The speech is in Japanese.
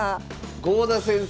郷田先生。